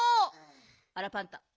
あらパンタ